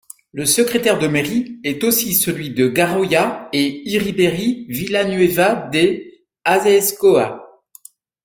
Le secrétaire de mairie est aussi celui de Garaioa et Hiriberri-Villanueva de Aezkoa.